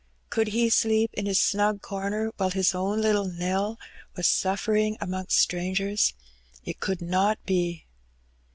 Could he sleep in his snug corner while his own little Nell was sufiering amongst strangers ? It could not be.